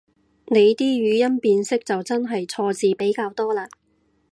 你啲語音辨識就真係錯字比較多嘞